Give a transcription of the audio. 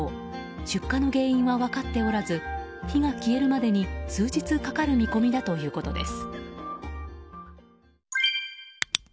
出火の原因は分かっておらず火が消えるまでに数日かかる見込みだということです。